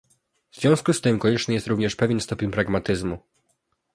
W związku z tym konieczny jest również pewien stopień pragmatyzmu